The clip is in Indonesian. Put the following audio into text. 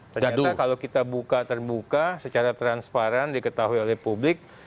ternyata kalau kita buka terbuka secara transparan diketahui oleh publik